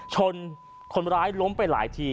ชนคนร้ายล้มไปหลายที